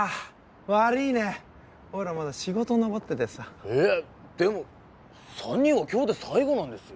悪いねおいらまだ仕事残っててさえッでも三人は今日で最後なんですよ